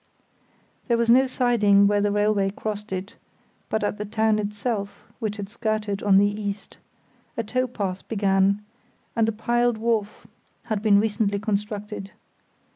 There was no siding where the railway crossed it, but at the town itself, which it skirted on the east, a towpath began, and a piled wharf had been recently constructed.